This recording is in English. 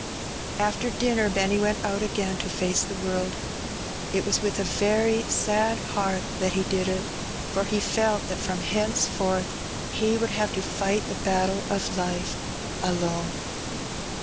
After dinner Benny went out again to face the world. It was with a very sad heart that he did it; for he felt that from henceforth he would have to fight the battle of life alone.